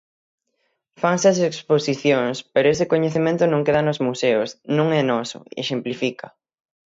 Fanse as exposicións, pero ese coñecemento non queda nos museos, non é noso, exemplifica.